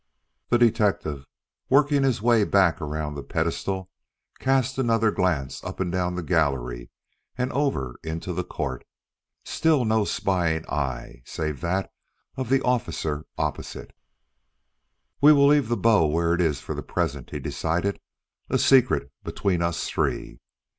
The detective, working his way back around the pedestal, cast another glance up and down the gallery and over into the court. Still no spying eye, save that of the officer opposite. "We will leave that bow where it is for the present," he decided, "a secret between us three."